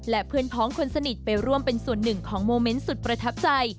และเพื่อนพ้องคนสนิทไปร่วมเป็นส่วนหนึ่งของโมเมนต์สุดประทับใจ